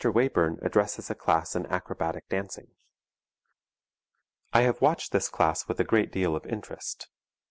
WAYBURN ADDRESSES A CLASS IN ACROBATIC DANCING I have watched this class with a great deal of interest.